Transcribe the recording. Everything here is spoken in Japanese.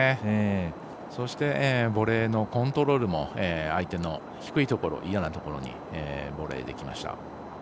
そしてボレーのコントロールも相手の低いところ、嫌なところにボレーできました。